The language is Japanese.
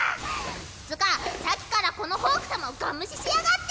つかさっきからこのホーク様をガン無視しやがって！